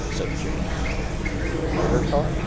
" said Jane. " Motor car